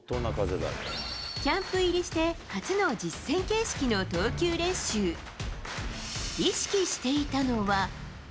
キャンプ入りして、初の実戦形式の投球練習。意識していたのは。